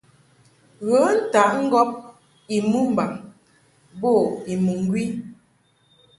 Ghə ntaʼ ŋgɔb I mɨmbaŋ bo I mɨŋgwi.